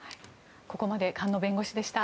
ここまで菅野弁護士でした。